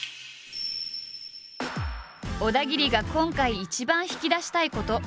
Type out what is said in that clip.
小田切が今回一番引き出したいこと。